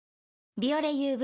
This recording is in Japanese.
「ビオレＵＶ」